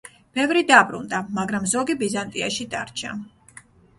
ბევრი დაბრუნდა, მაგრამ ზოგი ბიზანტიაში დარჩა.